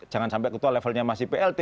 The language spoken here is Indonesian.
jangan sampai ketua levelnya masih plt